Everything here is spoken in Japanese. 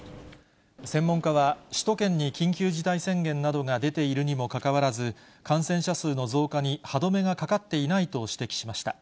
専門家は、首都圏に緊急事態宣言が出ているにもかかわらず、感染者数の増加に歯止めがかかっていないと指摘しました。